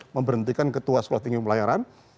memberhentikan ketua sekolah tinggi pelayaran